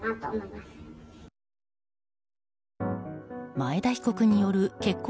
前田被告による結婚